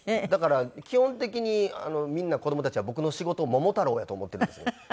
だから基本的にみんな子供たちは僕の仕事を桃太郎やと思ってるんですよね。